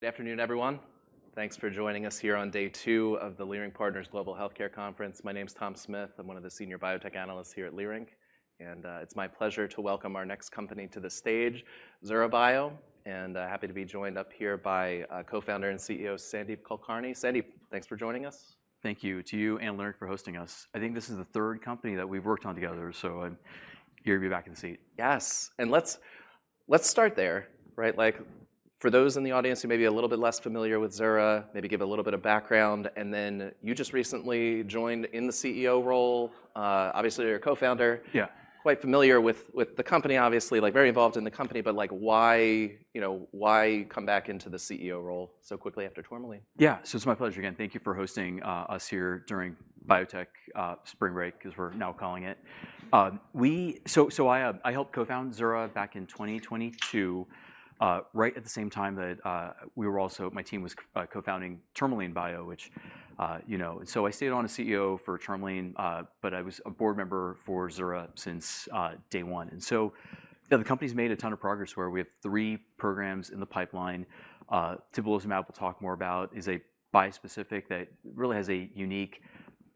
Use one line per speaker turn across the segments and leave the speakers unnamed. Good afternoon, everyone. Thanks for joining us here on day two of the Leerink Partners Global Healthcare Conference. My name's Tom Smith. I'm one of the senior biotech analysts here at Leerink, and it's my pleasure to welcome our next company to the stage, Zura Bio, and happy to be joined up here by our Co-Founder and CEO, Sandeep Kulkarni. Sandeep, thanks for joining us.
Thank you to you and Leerink for hosting us. I think this is the third company that we've worked on together, so I'm eager to be back in the seat.
Yes. Let's start there, right? Like, for those in the audience who may be a little bit less familiar with Zura, maybe give a little bit of background, and then you just recently joined in the CEO role. Obviously you're a Co-founder.
Yeah.
Quite familiar with the company, obviously, like very involved in the company, but like why, you know, why come back into the CEO role so quickly after Tourmaline?
Yeah. It's my pleasure again, thank you for hosting us here during biotech spring break as we're now calling it. I helped co-found Zura back in 2022, right at the same time that we were also my team was co-founding Tourmaline Bio, which you know. I stayed on as CEO for Tourmaline, but I was a board member for Zura since day one. You know, the company's made a ton of progress where we have three programs in the pipeline. Tibulizumab, we'll talk more about, is a bispecific that really has a unique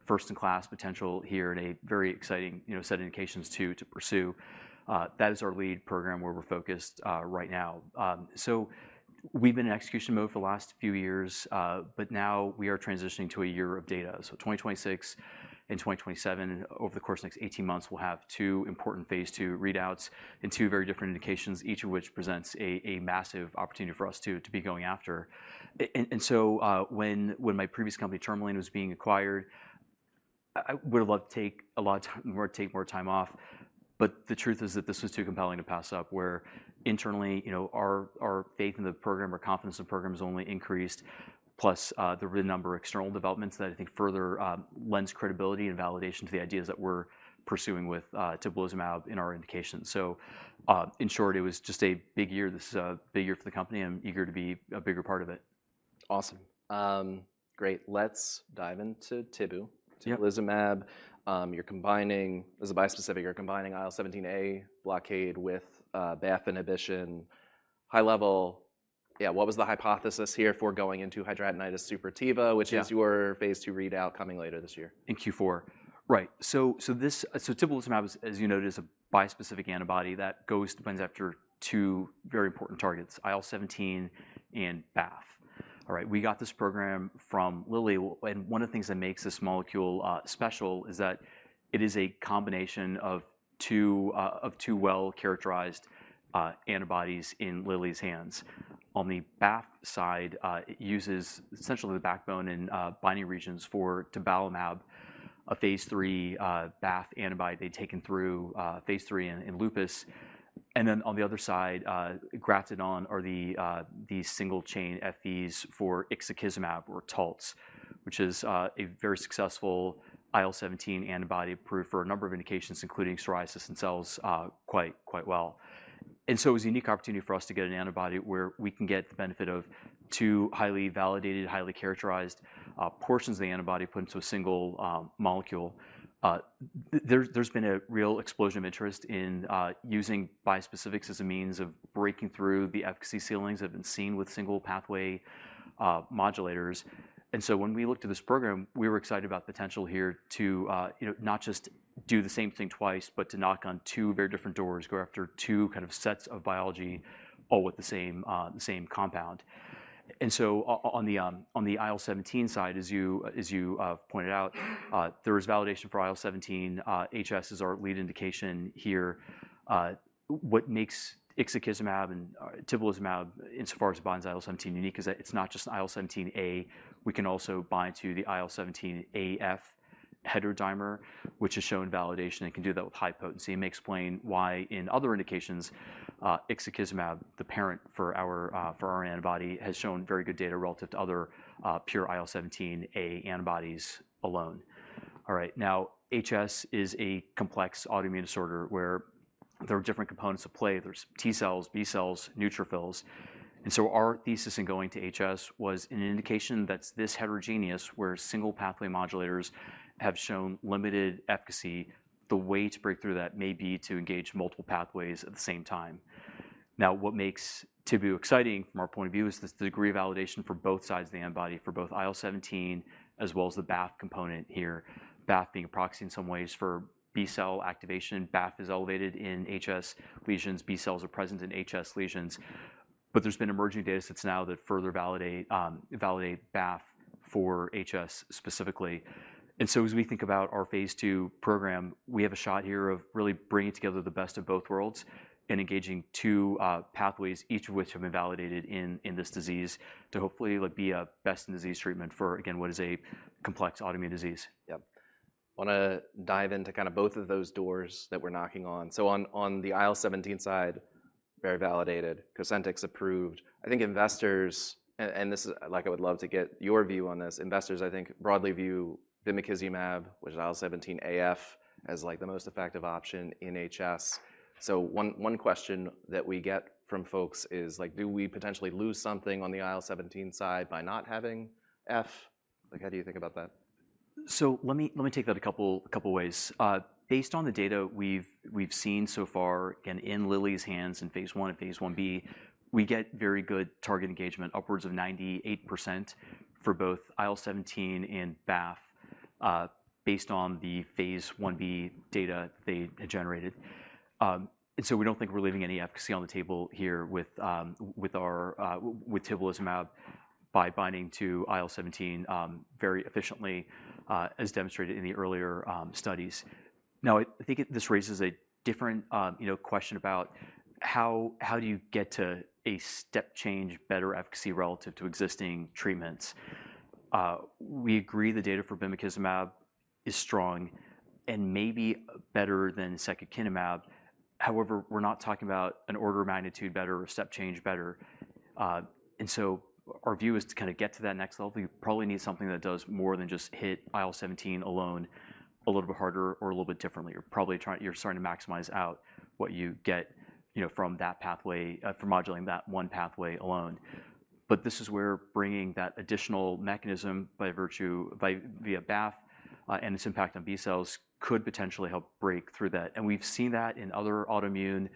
first in class potential here and a very exciting you know set of indications too to pursue. That is our lead program where we're focused right now. We've been in execution mode for the last few years, but now we are transitioning to a year of data. 2026 and 2027, over the course of the next 18 months, we'll have two important phase II readouts and two very different indications, each of which presents a massive opportunity for us to be going after. When my previous company, Tourmaline, was being acquired, I would've loved to take more time off. The truth is that this was too compelling to pass up, where internally, you know, our faith in the program, our confidence in the program has only increased, plus the number of external developments that I think further lends credibility and validation to the ideas that we're pursuing with tibulizumab in our indication. in short, it was just a big year. This is a big year for the company. I'm eager to be a bigger part of it.
Awesome. Great. Let's dive into Tibu.
Yeah.
Tibulizumab. As a bispecific, you're combining IL-17A blockade with BAFF inhibition. High level, what was the hypothesis here for going into hidradenitis suppurativa?
Yeah.
which is your phase II readout coming later this year.
In Q4, tibulizumab, as you noted, is a bispecific antibody that binds to two very important targets, IL-17 and BAFF. All right. We got this program from Lilly, and one of the things that makes this molecule special is that it is a combination of two well-characterized antibodies in Lilly's hands. On the BAFF side, it uses essentially the backbone and binding regions for tabalumab, a phase III BAFF antibody they'd taken through phase III in lupus. Then on the other side, grafted on are the single-chain Fvs for ixekizumab or Taltz, which is a very successful IL-17 antibody approved for a number of indications, including psoriasis, and sells quite well. It was a unique opportunity for us to get an antibody where we can get the benefit of two highly validated, highly characterized portions of the antibody put into a single molecule. There's been a real explosion of interest in using bispecifics as a means of breaking through the efficacy ceilings that have been seen with single pathway modulators. When we looked at this program, we were excited about the potential here to, you know, not just do the same thing twice, but to knock on two very different doors, go after two kind of sets of biology, all with the same compound. On the IL-17 side, as you pointed out, there is validation for IL-17. HS is our lead indication here. What makes ixekizumab and tibulizumab, insofar as it binds IL-17, unique is that it's not just IL-17A. We can also bind to the IL-17AF heterodimer, which has shown validation and can do that with high potency. It may explain why in other indications, Ixekizumab, the parent for our antibody, has shown very good data relative to other pure IL-17A antibodies alone. All right. Now, HS is a complex autoimmune disorder where there are different components at play. There's T-cells, B-cells, neutrophils. Our thesis in going to HS was in an indication that's this heterogeneous, where single pathway modulators have shown limited efficacy, the way to break through that may be to engage multiple pathways at the same time. Now, what makes Tibu exciting from our point of view is the degree of validation for both sides of the antibody, for both IL-17 as well as the BAFF component here. BAFF being a proxy in some ways for B cell activation. BAFF is elevated in HS lesions. B-cells are present in HS lesions. But there's been emerging datasets now that further validate BAFF for HS specifically. As we think about our phase two program, we have a shot here of really bringing together the best of both worlds and engaging two pathways, each of which have been validated in this disease to hopefully like be a best in disease treatment for, again, what is a complex autoimmune disease.
Yep. Wanna dive into kinda both of those doors that we're knocking on. On the IL-17 side, very validated. Cosentyx approved. I think investors, and this is, like, I would love to get your view on this. Investors, I think, broadly view bimekizumab, which is IL-17AF, as, like, the most effective option in HS. One question that we get from folks is, like, do we potentially lose something on the IL-17 side by not having F? Like, how do you think about that?
Let me take that a couple ways. Based on the data we've seen so far and in Lilly's hands in phase I and phase I-B, we get very good target engagement, upwards of 98% for both IL-17 and BAFF, based on the phase I-B data they had generated. We don't think we're leaving any efficacy on the table here with our tibulizumab by binding to IL-17 very efficiently, as demonstrated in the earlier studies. Now, I think this raises a different, you know, question about how do you get to a step change better efficacy relative to existing treatments. We agree the data for Bimekizumab is strong and maybe better than Secukinumab. However, we're not talking about an order of magnitude better or step change better. Our view is to kinda get to that next level, you probably need something that does more than just hit IL-17 alone a little bit harder or a little bit differently. You're starting to maximize out what you get, you know, from that pathway, for modulating that one pathway alone. This is where bringing that additional mechanism by via BAFF, and its impact on B-cells could potentially help break through that. We've seen that in other autoimmune,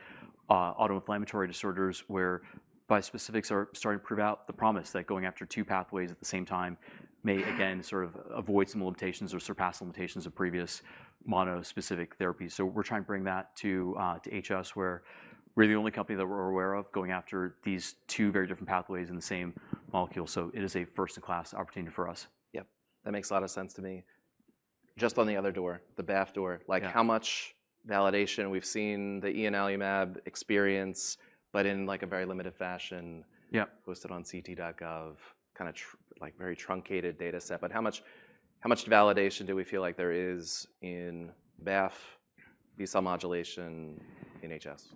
autoinflammatory disorders where bispecifics are starting to prove out the promise that going after two pathways at the same time may again sort of avoid some limitations or surpass limitations of previous monospecific therapies. We're trying to bring that to HS, where we're the only company that we're aware of going after these two very different pathways in the same molecule. It is a first-in-class opportunity for us.
Yep. That makes a lot of sense to me. Just on the other door, the BAFF door.
Yeah.
Like how much validation we've seen the ianalumab experience, but in like a very limited fashion.
Yep
posted on ClinicalTrials.gov, kinda like very truncated data set. How much validation do we feel like there is in BAFF B cell modulation in HS?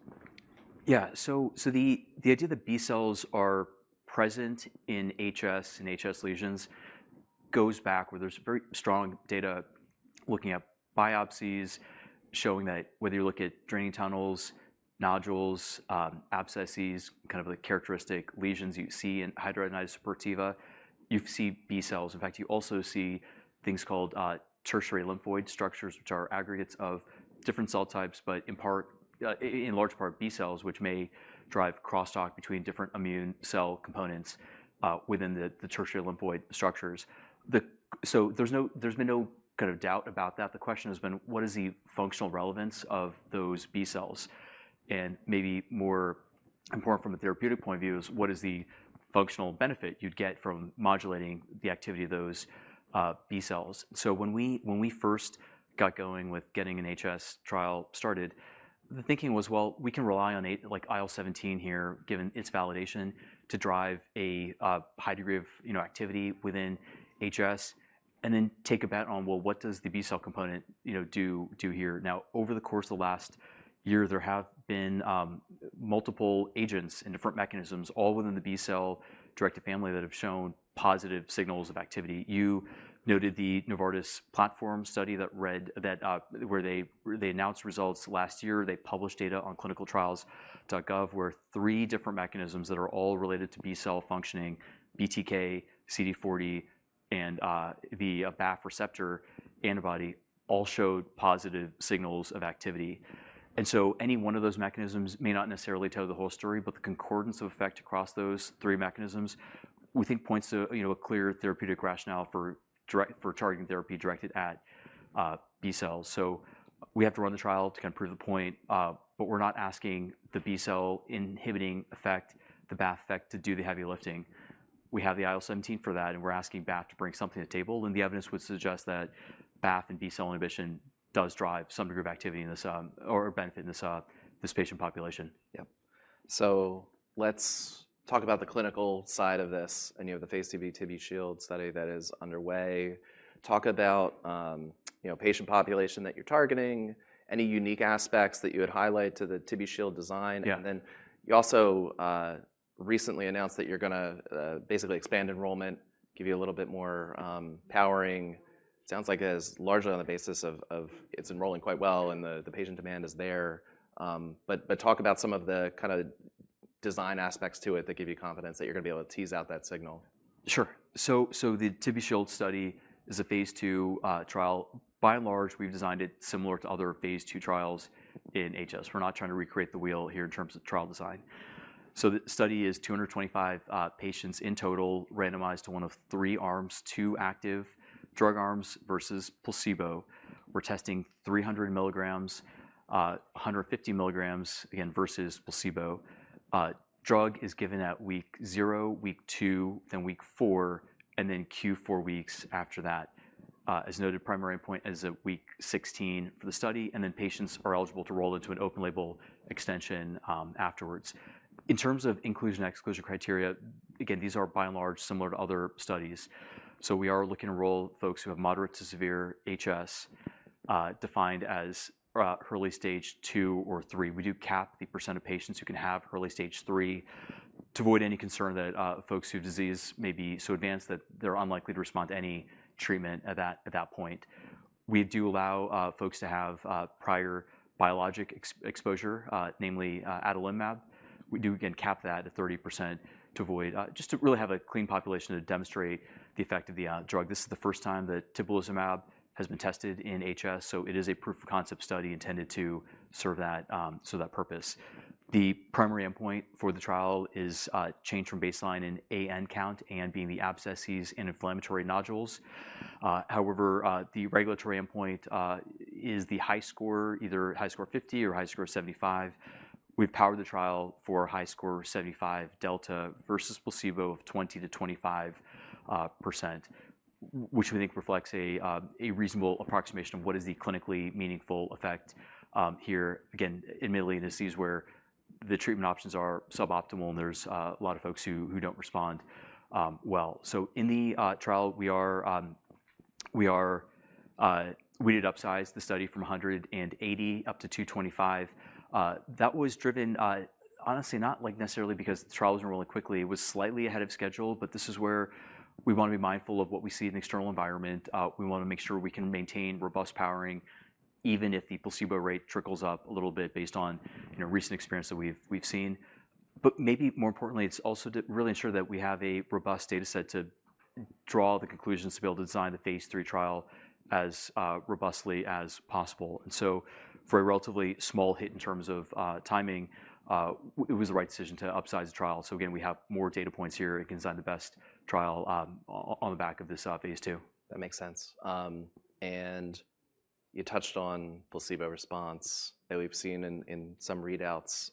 Yeah. The idea that B-cells are present in HS, in HS lesions goes back where there's very strong data looking at biopsies, showing that whether you look at draining tunnels, nodules, abscesses, kind of the characteristic lesions you see in hidradenitis suppurativa, you see B-cells. In fact, you also see things called tertiary lymphoid structures, which are aggregates of different cell types, but in part, in large part B-cells, which may drive crosstalk between different immune cell components, within the tertiary lymphoid structures. There's no kind of doubt about that. The question has been, what is the functional relevance of those B-cells? Maybe more important from a therapeutic point of view is what is the functional benefit you'd get from modulating the activity of those B-cells? When we first got going with getting an HS trial started, the thinking was, we can rely on, like IL-17 here, given its validation to drive a high degree of, you know, activity within HS, and then take a bet on, what does the B-cell component, you know, do here? Now, over the course of the last year, there have been multiple agents and different mechanisms all within the B-cell-directed family that have shown positive signals of activity. You noted the Novartis platform study that read out where they announced results last year. They published data on ClinicalTrials.gov, where three different mechanisms that are all related to B-cell functioning, BTK, CD40, and the BAFF receptor antibody, all showed positive signals of activity. Any one of those mechanisms may not necessarily tell the whole story, but the concordance of effect across those three mechanisms, we think points to, you know, a clear therapeutic rationale for targeting therapy directed at B-cells. We have to run the trial to kind of prove the point, but we're not asking the B cell inhibiting effect, the BAFF effect to do the heavy lifting. We have the IL-17 for that, and we're asking BAFF to bring something to the table, and the evidence would suggest that BAFF and B cell inhibition does drive some degree of activity in this or benefit in this patient population.
Yep. Let's talk about the clinical side of this and, you know, the Phase TibuSHIELD study that is underway. Talk about, you know, patient population that you're targeting, any unique aspects that you would highlight to the TibuSHIELD design.
Yeah.
You also recently announced that you're gonna basically expand enrollment, give it a little bit more power. Sounds like it is largely on the basis of it's enrolling quite well and the patient demand is there. Talk about some of the kinda design aspects to it that give you confidence that you're gonna be able to tease out that signal.
Sure. The TibuSHIELD study is a phase II trial. By and large, we've designed it similar to other phase II trials in HS. We're not trying to recreate the wheel here in terms of trial design. The study is 225 patients in total randomized to one of three arms, two active drug arms versus placebo. We're testing 300 milligrams, 150 milligrams, again, versus placebo. Drug is given at week zero, week two, then week four, and then Q4 weeks after that. As noted, primary endpoint is at week 16 for the study, and then patients are eligible to roll into an open-label extension afterwards. In terms of inclusion and exclusion criteria, again, these are by and large similar to other studies. We are looking to enroll folks who have moderate to severe HS, defined as early stage two or three. We do cap the percent of patients who can have early stage three to avoid any concern that folks whose disease may be so advanced that they're unlikely to respond to any treatment at that point. We do allow folks to have prior biologic exposure, namely adalimumab. We do, again, cap that at 30% to avoid just to really have a clean population to demonstrate the effect of the drug. This is the first time that tibulizumab has been tested in HS, so it is a proof of concept study intended to serve that purpose. The primary endpoint for the trial is change from baseline in AN count, AN being the abscesses and inflammatory nodules. However, the regulatory endpoint is the HiSCR, either HiSCR50 or HiSCR75. We've powered the trial for HiSCR75 delta versus placebo of 20%-25%, which we think reflects a reasonable approximation of what is the clinically meaningful effect, here, again, in maladies where the treatment options are suboptimal, and there's a lot of folks who don't respond well. In the trial, we did upsize the study from 180 up to 225. That was driven, honestly not like necessarily because the trial was going really quickly. It was slightly ahead of schedule, but this is where we wanna be mindful of what we see in the external environment. We wanna make sure we can maintain robust powering, even if the placebo rate trickles up a little bit based on, you know, recent experience that we've seen. Maybe more importantly, it's also to really ensure that we have a robust data set to draw the conclusions to be able to design the phase III trial as robustly as possible. For a relatively small hit in terms of timing, it was the right decision to upsize the trial. Again, we have more data points here. We can design the best trial on the back of this phase II.
That makes sense. You touched on placebo response that we've seen in some readouts,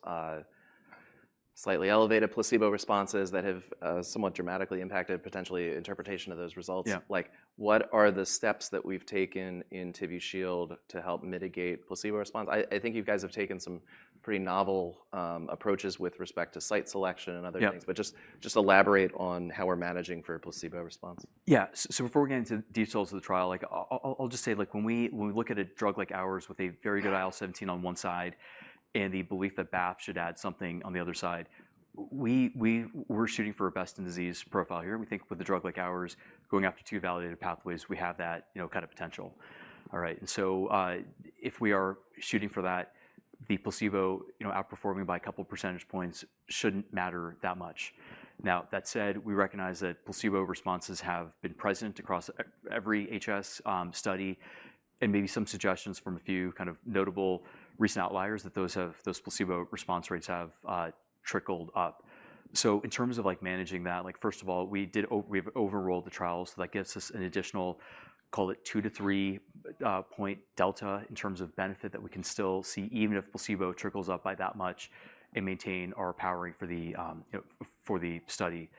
slightly elevated placebo responses that have somewhat dramatically impacted potentially interpretation of those results.
Yeah.
Like, what are the steps that we've taken in TibuSHIELD to help mitigate placebo response? I think you guys have taken some pretty novel approaches with respect to site selection and other things.
Yeah.
Just elaborate on how we're managing for placebo response.
So before we get into details of the trial, like I'll just say like when we look at a drug like ours with a very good IL-17 on one side and the belief that BAFF should add something on the other side, we're shooting for a best in disease profile here. We think with a drug like ours, going after two validated pathways, we have that, you know, kind of potential. All right. If we are shooting for that, the placebo, you know, outperforming by a couple percentage points shouldn't matter that much. Now, that said, we recognize that placebo responses have been present across every HS study, and maybe some suggestions from a few kind of notable recent outliers that those placebo response rates have trickled up. In terms of like managing that, like first of all, we've over-enrolled the trial, so that gives us an additional, call it 2-3 point delta in terms of benefit that we can still see even if placebo trickles up by that much and maintain our powering for the, you know, for the study.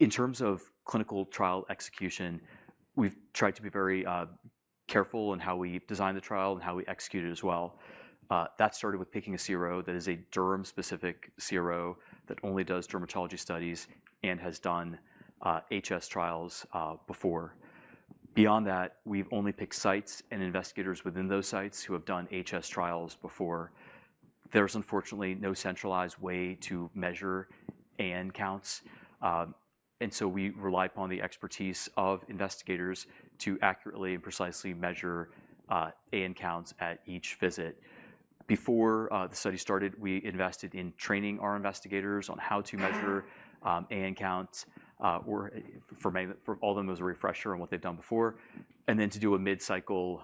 In terms of clinical trial execution, we've tried to be very careful in how we design the trial and how we execute it as well. That started with picking a CRO that is a derm-specific CRO that only does dermatology studies and has done HS trials before. Beyond that, we've only picked sites and investigators within those sites who have done HS trials before. There's unfortunately no centralized way to measure AN counts, and so we rely upon the expertise of investigators to accurately and precisely measure AN counts at each visit. Before the study started, we invested in training our investigators on how to measure AN counts or for all of them as a refresher on what they've done before. To do a mid-cycle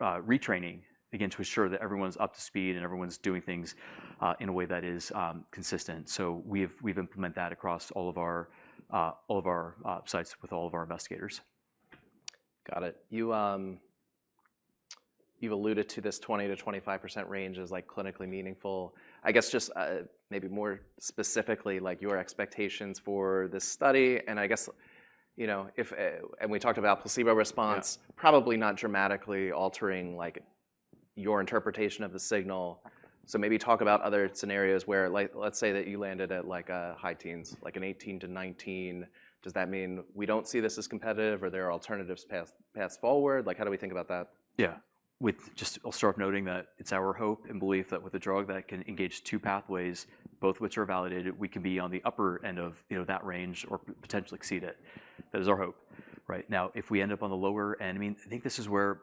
retraining again to ensure that everyone's up to speed and everyone's doing things in a way that is consistent. We've implemented that across all of our sites with all of our investigators.
Got it. You, you've alluded to this 20%-25% range as like clinically meaningful. I guess just, maybe more specifically, like your expectations for this study and I guess, you know, if, and we talked about placebo response.
Yeah
probably not dramatically altering like your interpretation of the signal. Maybe talk about other scenarios where like let's say that you landed at like a high teens, like an 18-19, does that mean we don't see this as competitive or there are alternatives paths forward? Like how do we think about that?
With that, I'll start noting that it's our hope and belief that with a drug that can engage two pathways, both which are validated, we can be on the upper end of, you know, that range or potentially exceed it. That is our hope. Right. Now, if we end up on the lower end, I mean, I think this is where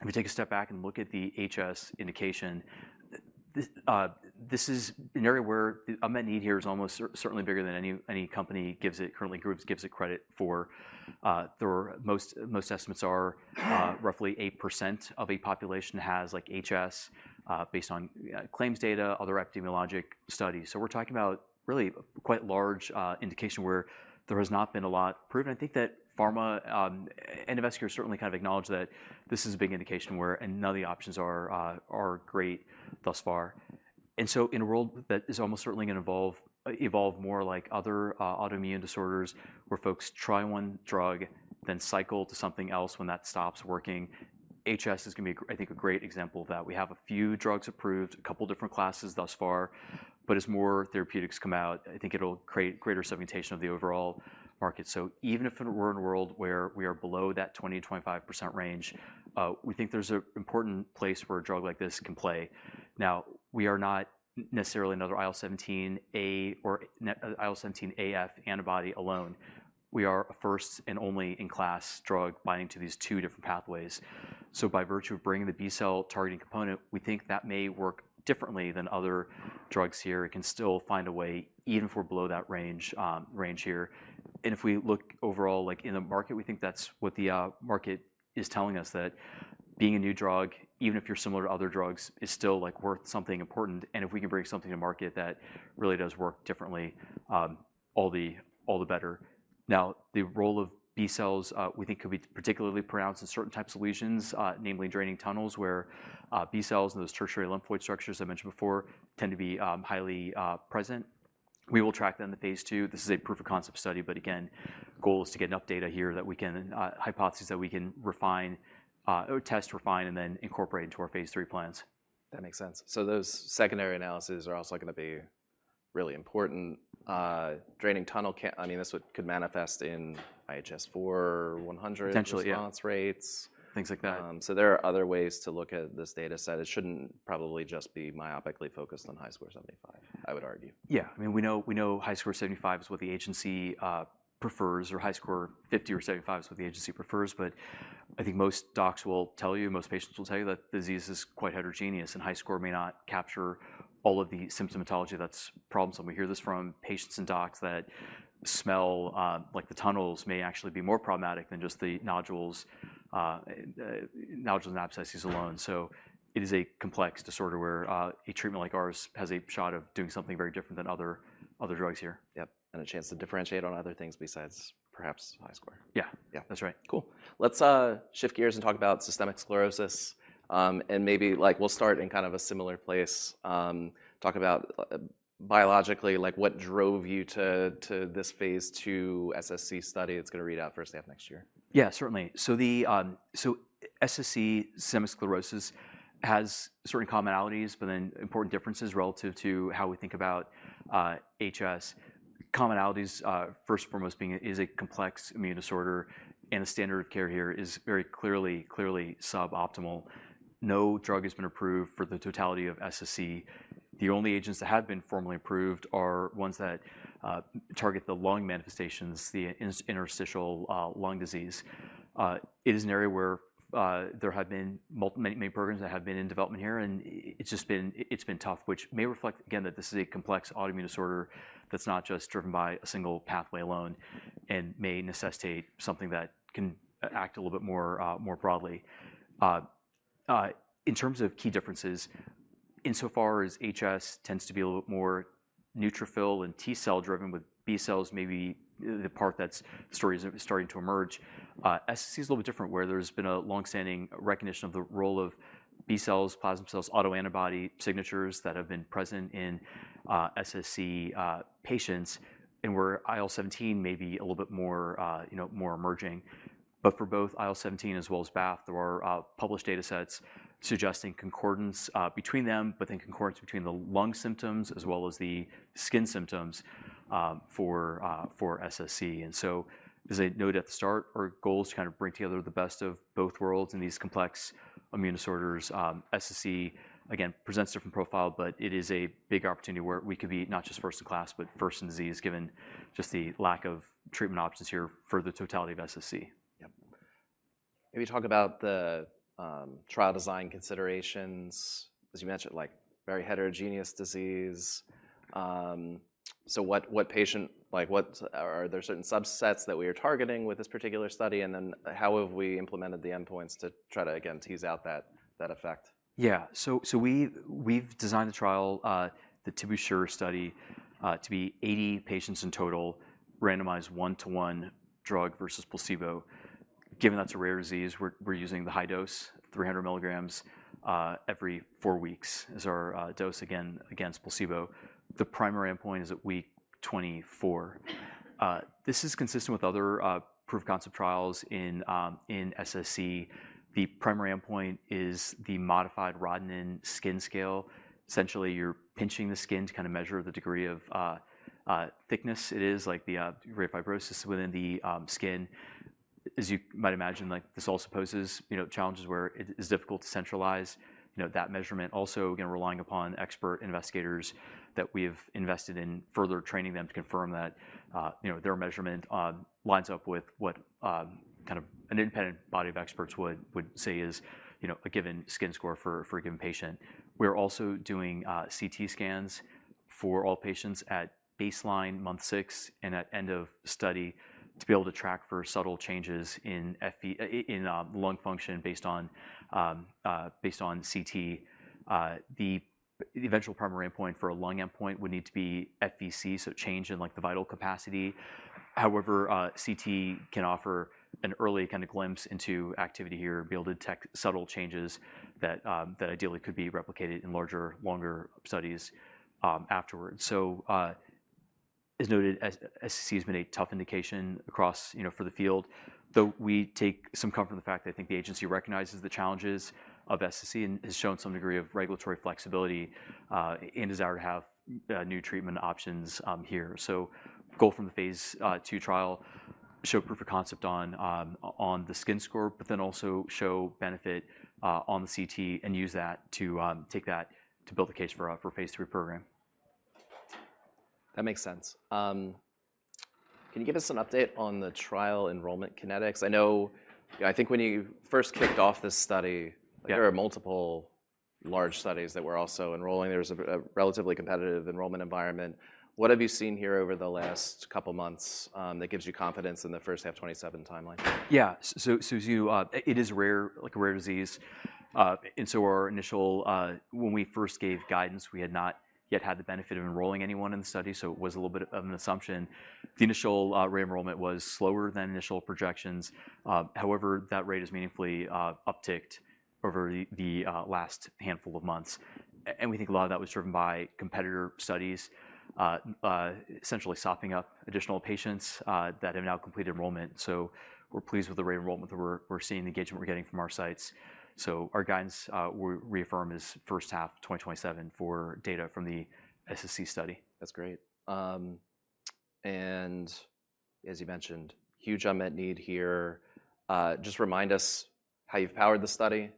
if we take a step back and look at the HS indication, this is an area where the unmet need here is almost certainly bigger than any company or current groups give it credit for. Most estimates are roughly 8% of a population has like HS, based on claims data, other epidemiologic studies. We're talking about really quite large indication where there has not been a lot proven. I think that pharma and investors certainly kind of acknowledge that this is a big indication where none of the options are great thus far. In a world that is almost certainly gonna evolve more like other autoimmune disorders where folks try one drug then cycle to something else when that stops working, HS is gonna be a great example of that. We have a few drugs approved, a couple different classes thus far. As more therapeutics come out, I think it'll create greater segmentation of the overall market. Even if we're in a world where we are below that 20%-25% range, we think there's an important place where a drug like this can play. Now, we are not necessarily another IL-17A or IL-17AF antibody alone. We are a first-in-class drug binding to these two different pathways. By virtue of bringing the B cell targeting component, we think that may work differently than other drugs here. It can still find a way even if we're below that range here. If we look overall, like in the market, we think that's what the market is telling us, that being a new drug, even if you're similar to other drugs, is still like worth something important. If we can bring something to market that really does work differently, all the better. Now, the role of B-cells, we think could be particularly pronounced in certain types of lesions, namely draining tunnels, where B-cells and those tertiary lymphoid structures I mentioned before tend to be highly present. We will track that in the phase II. This is a proof of concept study, but again, goal is to get enough data here that we can hypothesize that we can refine or test, refine, and then incorporate into our phase III plans.
That makes sense. Those secondary analyses are also going to be really important. This could manifest in IHS4, 100-
Potentially, yeah.
response rates.
Things like that.
There are other ways to look at this data set. It shouldn't probably just be myopically focused on HiSCR75, I would argue.
Yeah. I mean, we know HiSCR75 is what the agency prefers, or HiSCR50 or HiSCR75 is what the agency prefers. But I think most docs will tell you, most patients will tell you that the disease is quite heterogeneous, and HiSCR may not capture all of the symptomatology that's problematic. We hear this from patients and docs that the smell, like the tunnels may actually be more problematic than just the nodules and abscesses alone. It is a complex disorder where a treatment like ours has a shot at doing something very different than other drugs here.
Yep. A chance to differentiate on other things besides perhaps HiSCR.
Yeah.
Yeah.
That's right.
Cool. Let's shift gears and talk about systemic sclerosis. Maybe like we'll start in kind of a similar place, talk about biologically, like what drove you to this phase II SSc study that's gonna read out first half of next year?
Yeah, certainly. SSc, systemic sclerosis, has certain commonalities, but then important differences relative to how we think about HS. Commonalities, first and foremost being it is a complex immune disorder, and the standard of care here is very clearly suboptimal. No drug has been approved for the totality of SSc. The only agents that have been formally approved are ones that target the lung manifestations, the interstitial lung disease. It is an area where there have been many programs that have been in development here, and it's just been tough, which may reflect, again, that this is a complex autoimmune disorder that's not just driven by a single pathway alone and may necessitate something that can act a little bit more broadly. In terms of key differences, insofar as HS tends to be a little bit more neutrophil and T-cell driven with B-cells may be the part that's starting to emerge, SSc is a little bit different, where there's been a long-standing recognition of the role of B-cells, plasma cells, autoantibody signatures that have been present in SSc patients, and where IL-17 may be a little bit more, you know, more emerging. But for both IL-17 as well as BAFF, there are published data sets suggesting concordance between them, but then concordance between the lung symptoms as well as the skin symptoms for SSc. As a note at the start, our goal is to kind of bring together the best of both worlds in these complex immune disorders. SSc, again, presents different profile, but it is a big opportunity where we could be not just first in class, but first in disease, given just the lack of treatment options here for the totality of SSc.
Yep. Maybe talk about the trial design considerations, as you mentioned, like very heterogeneous disease. Are there certain subsets that we are targeting with this particular study? How have we implemented the endpoints to try to, again, tease out that effect?
Yeah. We've designed the trial, the TibuSURE study, to be 80 patients in total, randomized 1:1 drug versus placebo. Given that it's a rare disease, we're using the high dose, 300 milligrams, every 4 weeks as our dose again, against placebo. The primary endpoint is at week 24. This is consistent with other proof of concept trials in SSc. The primary endpoint is the modified Rodnan skin score. Essentially, you're pinching the skin to kind of measure the degree of thickness it is, like the degree of fibrosis within the skin. As you might imagine, like this all poses, you know, challenges where it is difficult to centralize, you know, that measurement. Again, relying upon expert investigators that we've invested in further training them to confirm that, you know, their measurement lines up with what, kind of an independent body of experts would say is, you know, a given skin score for a given patient. We're also doing CT scans for all patients at baseline, month six and at end of study to be able to track for subtle changes in FVC in lung function based on CT. The eventual primary endpoint for a lung endpoint would need to be FVC, so change in like the vital capacity. However, CT can offer an early kind of glimpse into activity here, be able to detect subtle changes that ideally could be replicated in larger, longer studies afterwards. As noted, SSc has been a tough indication across, you know, for the field, though we take some comfort in the fact that I think the agency recognizes the challenges of SSc and has shown some degree of regulatory flexibility and desire to have new treatment options here. Go from the phase II trial, show proof of concept on the skin score, but then also show benefit on the CT and use that to take that to build the case for a phase III program.
That makes sense. Can you give us an update on the trial enrollment kinetics? I know, I think when you first kicked off this study.
Yeah.
There were multiple large studies that were also enrolling. There was a relatively competitive enrollment environment. What have you seen here over the last couple months that gives you confidence in the first half 2027 timeline?
Yeah. It is rare, like a rare disease. When we first gave guidance, we had not yet had the benefit of enrolling anyone in the study, so it was a little bit of an assumption. The initial re-enrollment was slower than initial projections. However, that rate has meaningfully upticked over the last handful of months. We think a lot of that was driven by competitor studies, essentially sopping up additional patients that have now completed enrollment. We're pleased with the re-enrollment that we're seeing, the engagement we're getting from our sites. Our guidance we reaffirm is first half of 2027 for data from the SSc study.
That's great. As you mentioned, huge unmet need here. Just remind us how you've powered the study.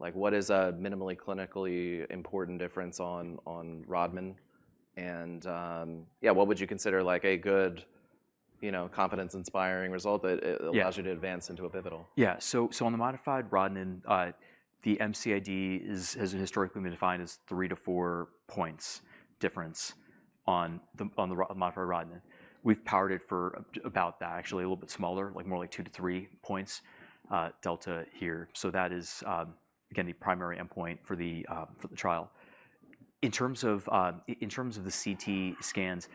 Like, what is a minimally clinically important difference on Rodnan? Yeah, what would you consider, like, a good, you know, confidence-inspiring result that-
Yeah.
allows you to advance into a pivotal?
Yeah. On the modified Rodnan, the MCID has historically been defined as 3-4 points difference on the modified Rodnan. We've powered it for about that, actually a little bit smaller, like more like 2-3 points delta here. That is again the primary endpoint for the trial. In terms of the CT scans,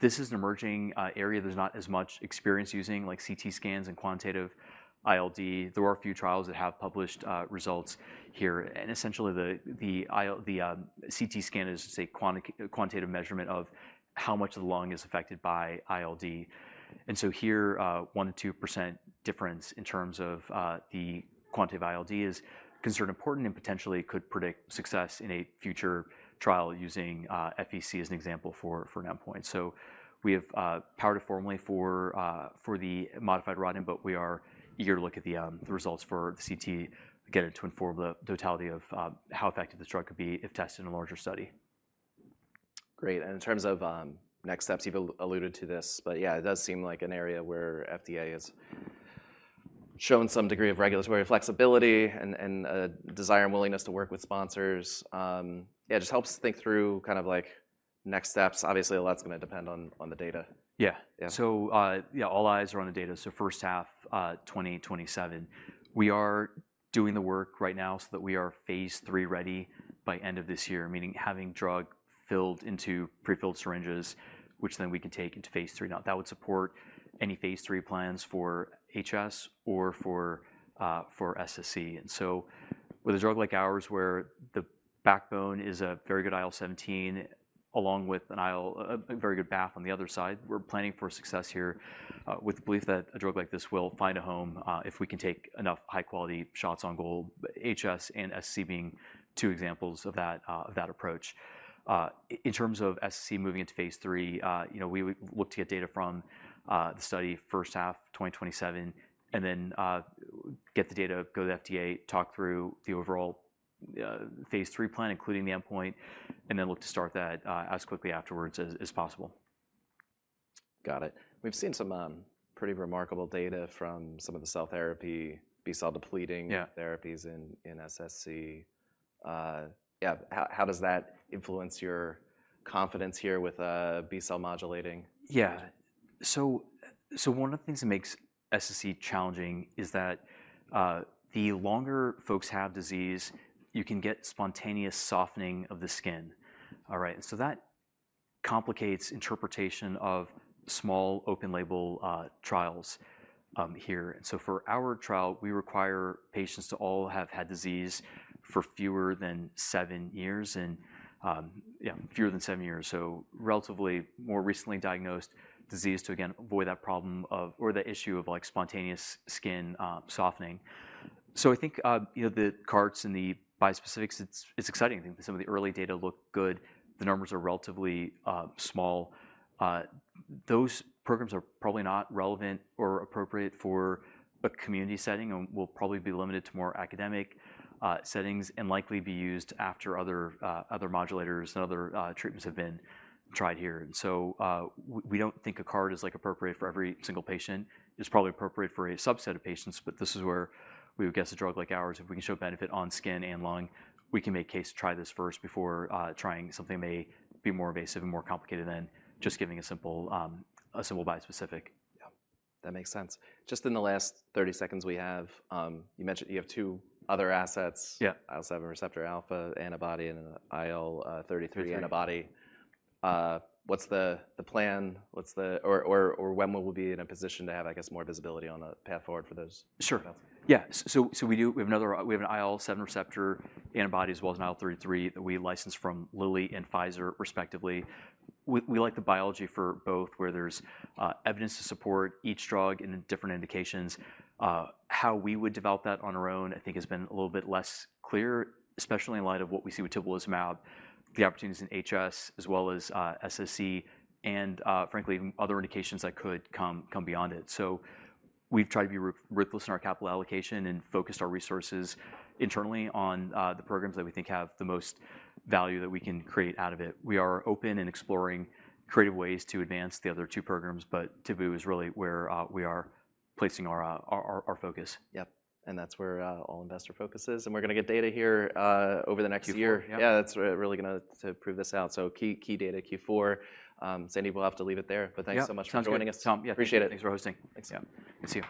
this is an emerging area. There's not as much experience using like CT scans and quantitative ILD. There are a few trials that have published results here, and essentially the CT scan is to say quantitative measurement of how much of the lung is affected by ILD. Here, 1%-2% difference in terms of the quantitative ILD is considered important and potentially could predict success in a future trial using FVC as an example for an endpoint. We have powered it formally for the modified Rodnan, but we are eager to look at the results for the CT, again, to inform the totality of how effective this drug could be if tested in a larger study.
Great. In terms of next steps, you've alluded to this, but yeah, it does seem like an area where FDA has shown some degree of regulatory flexibility and a desire and willingness to work with sponsors. Yeah, just helps think through kind of like next steps. Obviously, a lot's gonna depend on the data.
Yeah.
Yeah.
Yeah, all eyes are on the data, first half, 2027. We are doing the work right now so that we are phase III ready by end of this year, meaning having drug filled into pre-filled syringes, which then we can take into phase III. Now, that would support any phase III plans for HS or for SSc. With a drug like ours where the backbone is a very good IL-17 along with a very good BAFF on the other side, we're planning for success here, with the belief that a drug like this will find a home, if we can take enough high-quality shots on goal, HS and SSc being two examples of that approach. In terms of SSc moving into phase three, you know, we would look to get data from the study first half 2027 and then get the data, go to the FDA, talk through the overall phase three plan, including the endpoint, and then look to start that as quickly afterwards as possible.
Got it. We've seen some pretty remarkable data from some of the cell therapy, B-cell depleting-
Yeah.
therapies in SSc. How does that influence your confidence here with B-cell modulating?
Yeah. One of the things that makes SSc challenging is that the longer folks have disease, you can get spontaneous softening of the skin. All right. That complicates interpretation of small open-label trials here. For our trial, we require patients to all have had disease for fewer than seven years, so relatively more recently diagnosed disease to again avoid that problem of, or the issue of like spontaneous skin softening. I think you know, the CAR-Ts and the bispecifics, it's exciting. I think some of the early data look good. The numbers are relatively small. Those programs are probably not relevant or appropriate for a community setting and will probably be limited to more academic settings and likely be used after other modulators and other treatments have been tried here. We don't think a CAR-T is like appropriate for every single patient. It's probably appropriate for a subset of patients, but this is where we would guess a drug like ours, if we can show benefit on skin and lung, we can make a case to try this first before trying something that may be more invasive and more complicated than just giving a simple bispecific.
Yeah. That makes sense. Just in the last 30 seconds we have, you mentioned you have two other assets.
Yeah.
IL-7 receptor alpha antibody and an IL-33
Thirty-three.
Antibody. What's the plan? Or, when will we be in a position to have, I guess, more visibility on the path forward for those-
Sure.
-products?
Yeah. We have an IL-7 receptor antibody as well as an IL-33 that we licensed from Lilly and Pfizer respectively. We like the biology for both where there's evidence to support each drug in different indications. How we would develop that on our own I think has been a little bit less clear, especially in light of what we see with tibulizumab, the opportunities in HS as well as SSc and frankly, other indications that could come beyond it. We've tried to be ruthless in our capital allocation and focused our resources internally on the programs that we think have the most value that we can create out of it. We are open and exploring creative ways to advance the other two programs, but Tibu is really where we are placing our focus.
Yep. That's where all investor focus is, and we're gonna get data here over the next year.
Q4. Yep.
Yeah, that's really gonna prove this out. Key data Q4. Sandy, we'll have to leave it there.
Yeah. Thanks so much for joining us, Tom.
Sounds good. Appreciate it.
Yeah. Thanks for hosting.
Thanks. Yeah.